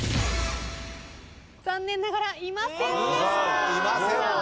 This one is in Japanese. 残念ながらいませんでした。